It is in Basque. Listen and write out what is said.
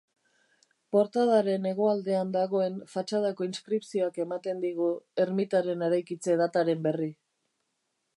Portadaren hegoaldean dagoen fatxadako inskripzioak ematen digu ermitaren eraikitze-dataren berri.